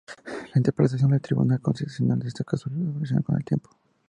La interpretación del Tribunal Constitucional de esta cláusula evolucionó con el tiempo.